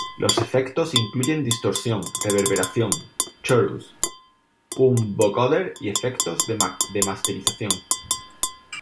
Los efectos incluyen distorsión, reverberación, chorus, un vocoder y efectos de masterización.